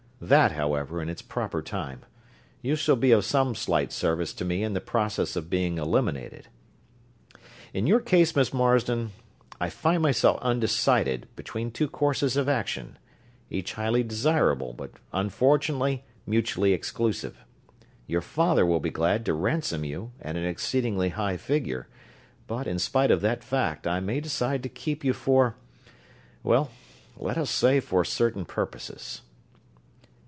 That, however, in its proper time you shall be of some slight service to me in the process of being eliminated. In your case, Miss Marsden, I find myself undecided between two courses of action; each highly desirable, but unfortunately mutually exclusive. Your father will be glad to ransom you at an exceedingly high figure, but, in spite of that fact, I may decide to keep you for well, let us say for certain purposes."